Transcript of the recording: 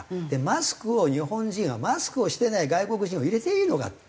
マスクを日本人はマスクをしていない外国人を入れていいのかって。